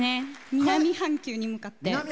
南半球に向かって。